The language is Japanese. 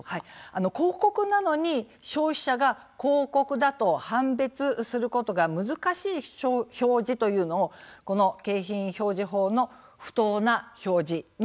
広告なのに消費者が広告だと判別することが難しい表示というのを景品表示法の「不当な表示」に追加して禁止をします。